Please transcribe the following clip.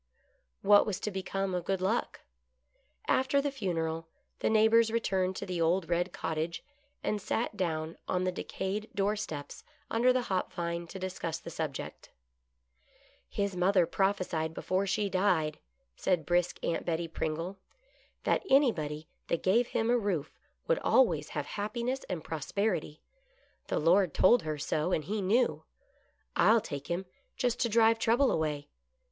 What was to become of Good Luck ? After the funeral the neighbors returned to the old red cottage, and sat down on the decayed door steps under the hop vine to discuss the subject. " His mother propliesied before she died," said brisk Aunt Betty Pringle, " that anybody that gave him a roof would always have happiness and prosperity. The Lord told her so, and he knew. I'll take him, just to drive trouble away.